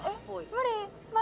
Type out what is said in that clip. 無理！